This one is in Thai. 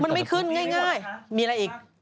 มันไม่ขึ้นง่ายมีอะไรอีก